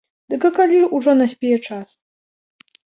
Дык а калі ўжо наспее час?